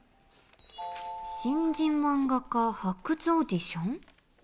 新人漫画家発掘オーディション？